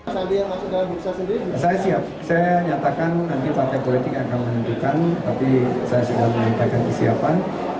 saya siap saya nyatakan nanti partai politik akan menentukan tapi saya sudah menaikkan kesiapan